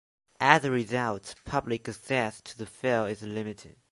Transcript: As a result, public access to the fell is limited.